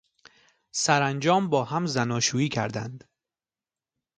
سرانجام با هم زناشویی کردند.